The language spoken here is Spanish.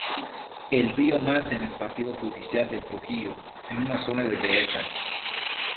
El río nace en el partido judicial de Trujillo, en una zona de dehesas.